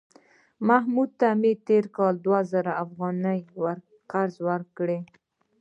محمود ته مې تېر کال دوه زره افغانۍ قرض ورکړ